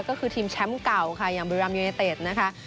ก็คือทีมแชมป์เก่าค่ะอย่างบริรามยูเนเต็ดนะคะ